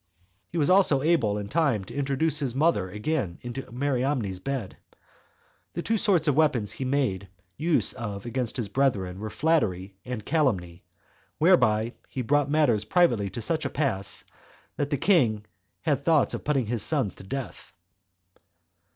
He was also able in time to introduce his mother again into Mariamne's bed. The two sorts of weapons he made use of against his brethren were flattery and calumny, whereby he brought matters privately to such a pass, that the king had thoughts of putting his sons to death.